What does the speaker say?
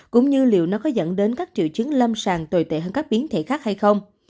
cũng như liệu nó có dẫn đến các triệu chứng lâm sàng tồi tệ hơn các biến thể khác hay không